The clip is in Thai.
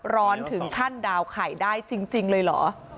ร้อนถึงขั้นดาวไข่ได้จริงเลยเหรอ